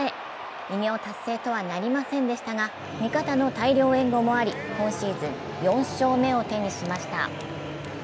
偉業達成とはなりませんでしたが、味方の大量援護もあり今シーズン４勝目を手にしました。